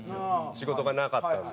仕事がなかったんで。